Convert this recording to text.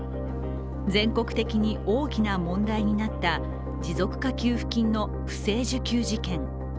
全国的に大きな問題になった持続化給付金の不正受給事件。